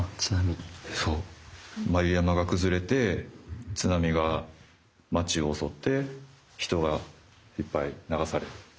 眉山がくずれて津波が街をおそって人がいっぱい流され。